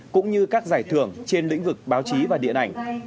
cũng như các giải thưởng trên lĩnh vực báo chí và điện ảnh